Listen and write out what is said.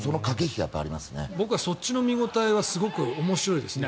そっちの見応えはすごく面白いですね。